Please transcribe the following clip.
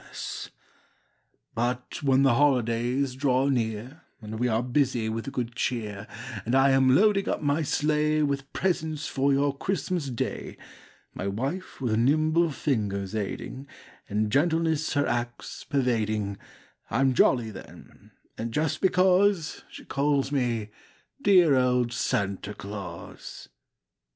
'" C ' S '^!' S > jn|B r*5v;'j ll 1 S I 1 1 1 1^*1 Copyrighted, 1897 lUT when the holidays draw near And we are busy with good cheer, And I am loading up my sleigh With presents for your Christmas Day, My wife with nimble fingers aiding, And gentleness her acts pervading, I'm jolly then, and just because She calls me 'dear old Santa Claus.